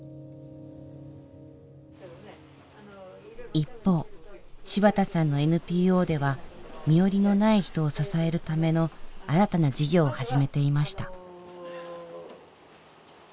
一方芝田さんのＮＰＯでは身寄りのない人を支えるための新たな事業を始めていました。